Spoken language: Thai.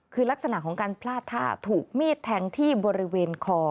คือลักษณะของการพลาดท่าถูกมีดแทงที่บริเวณคอ